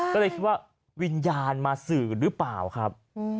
ก็เลยคิดว่าวิญญาณมาสื่อหรือเปล่าครับ